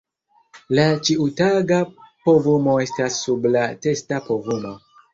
La ĉiutaga povumo estas sub la testa povumo.